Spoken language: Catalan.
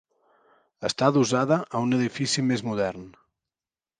Està adossada a un edifici més modern.